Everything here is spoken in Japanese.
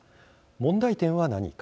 問題点は何か。